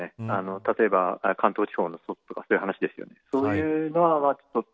例えば関東地方のという話ですよね。